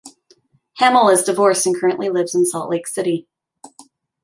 Hamel is divorced and currently lives in Salt Lake City.